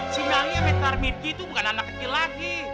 si nangih amit tarmidhi itu bukan anak kecil lagi